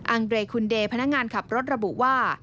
องเรคุณเดย์พนักงานขับรถระบุว่า